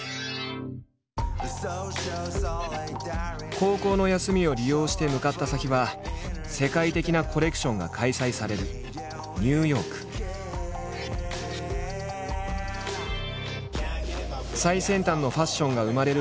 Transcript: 高校の休みを利用して向かった先は世界的なコレクションが開催される最先端のファッションが生まれる